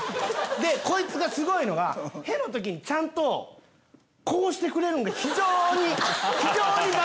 でコイツがすごいのが屁のときにちゃんとこうしてくれるんが非常に。